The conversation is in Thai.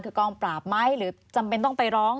คือกองปราบไหมหรือจำเป็นต้องไปร้อง